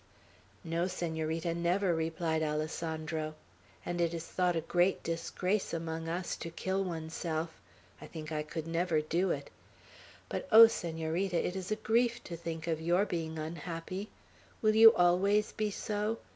"No, Senorita, never," replied Alessandro; "and it is thought a great disgrace, among us, to kill one's self. I think I could never do it. But, oh, Senorita, it is a grief to think of your being unhappy. Will you always be so?